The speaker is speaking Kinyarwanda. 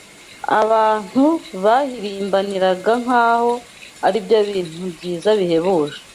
abantu babihirimbaniraga nk’aho ari byo bintu byiza bihebuje